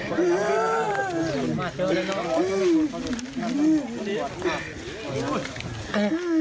อืม